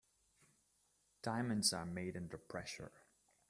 Diamonds are made under pressure.